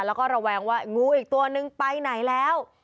แล้วก็ระแวงว่างูอีกตัวนึงไปไหนแล้ว